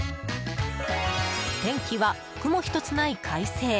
天気は雲１つない快晴。